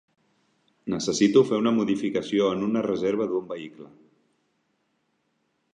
Necessito fer una modificació en una reserva d'un vehicle.